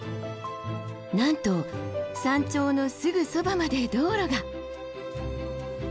なんと山頂のすぐそばまで道路が。